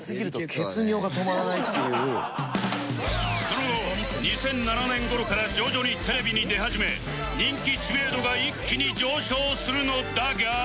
その後２００７年頃から徐々にテレビに出始め人気知名度が一気に上昇するのだが